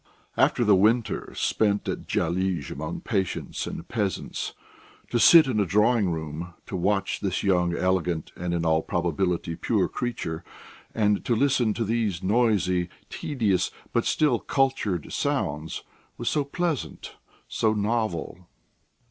After the winter spent at Dyalizh among patients and peasants, to sit in a drawing room, to watch this young, elegant, and, in all probability, pure creature, and to listen to these noisy, tedious but still cultured sounds, was so pleasant, so novel....